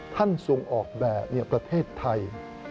ท่านทรงออกแบบประเทศไทย